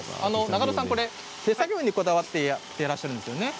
永戸さん、手作業にこだわってやってらっしゃるんですよね。